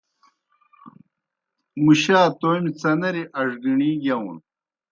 مُشا تومیْ څنری اڙگِݨی گِیاؤن۔